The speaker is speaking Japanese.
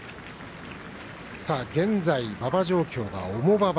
現在、馬場状況は重馬場。